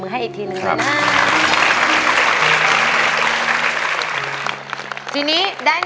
คุณยายแดงคะทำไมต้องซื้อลำโพงและเครื่องเสียง